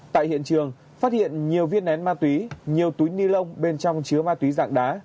tại hiện trường phát hiện nhiều viên nén ma túy nhiều túi ni lông bên trong chứa ma túy dạng đá